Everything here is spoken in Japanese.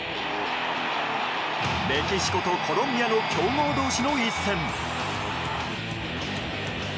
メキシコとコロンビアの強豪同士の一戦。